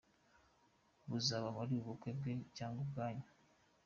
Buzaba ari ubukwe bwe cyangwa ubwanyu ?